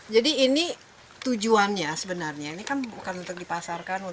jadi ini tujuannya sebenarnya ini kan bukan untuk dipasarkan